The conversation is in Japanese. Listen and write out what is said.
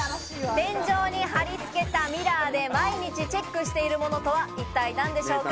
天井に張り付けたミラーで毎日チェックしているものとは一体何でしょうか？